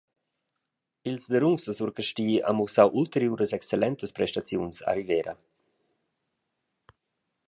Ils Derungs da Surcasti han mussau ulteriuras excellentas prestaziuns a Rivera.